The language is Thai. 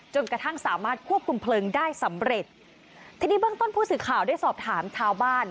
จนกระทั่งสามารถควบคุมเพลิงได้สำเร็จทีนี้เบื้องต้นผู้สื่อข่าวได้สอบถามชาวบ้าน